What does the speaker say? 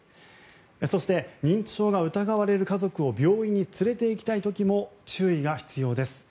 そして、認知症が疑われる家族を病院に連れていきたい時も注意が必要です。